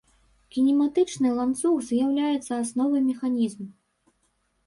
Кінематычны ланцуг з'яўляецца асновай механізму.